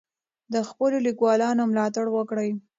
د خپلو لیکوالانو ملاتړ وکړئ.